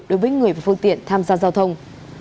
đối với người và phương tiện tham gia giao thông